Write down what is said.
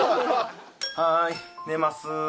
はい寝ます。